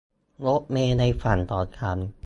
รถเมล์ในฝันของฉัน